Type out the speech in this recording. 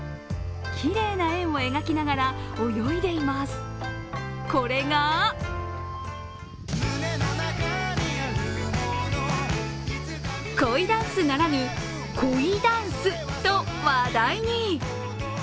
きれいな円を描きながら泳いでいます、これが恋ダンスならぬ、鯉ダンスと話題に。